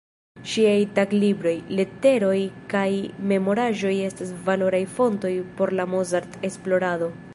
Ŝiaj taglibroj, leteroj kaj memoraĵoj estas valoraj fontoj por la Mozart-esplorado.